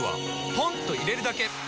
ポンと入れるだけ！